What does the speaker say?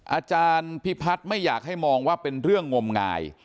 อาจารย์พิพัฒน์ไม่อยากให้มองว่าเป็นเรื่องงมงาย